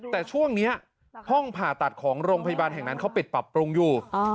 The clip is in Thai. แต่ช่วงนี้ห้องผ่าตัดของโรงพยาบาลแห่งนั้นเขาปิดปรับปรุงอยู่